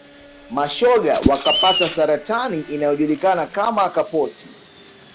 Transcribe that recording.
mashoga wakapata saratani inayojulikana kama kaposi